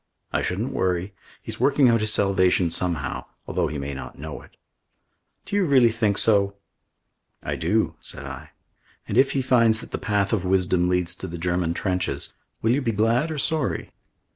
I shouldn't worry. He's working out his salvation somehow, although he may not know it." "Do you really think so?" "I do," said I. "And if he finds that the path of wisdom leads to the German trenches will you be glad or sorry?"